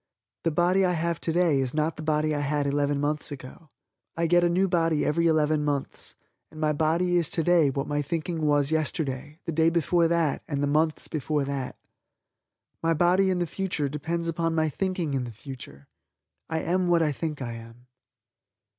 The body I have today is not the body I had eleven months ago. I get a new body every eleven months and my body is today what my thinking was yesterday, the day before that and the months before that. My body in the future depends upon my thinking in the future. I am what I think I am.